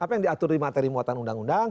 apa yang diatur di materi muatan undang undang